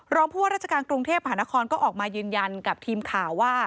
รองผู้ว่าราชการกรุงเทพหานครก็ออกมายืนยันกับทีมข่าวว่า